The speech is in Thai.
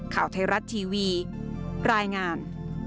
ข่าวไทยรัฐทีวีรายงาน